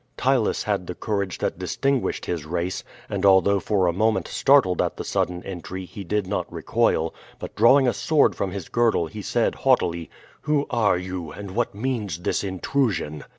Ptylus had the courage that distinguished his race, and although for a moment startled at the sudden entry he did not recoil, but drawing a sword from his girdle he said haughtily: "Who are you, and what means this intrusion?"